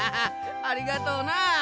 ありがとうな。